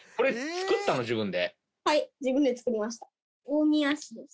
大宮市です。